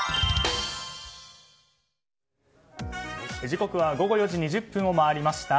時刻は午後４時２０分を回りました。